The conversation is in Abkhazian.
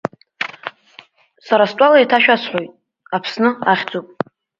Сара стәала еиҭашәасҳәоит, Аԥсны ахьӡуп.